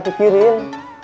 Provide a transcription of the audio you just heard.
itu lagi sakit kirin